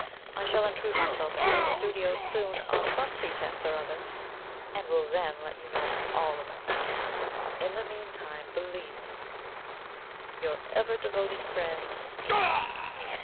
I shall intrude myself into his studio soon on some pretence or other, and will then let you know all about it. In the meantime, believe me, "Your ever devoted friend, AMY."